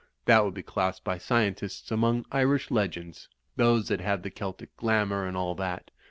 That would be classed by scientists among Irish legends — those that have the Celtic glamour and all that.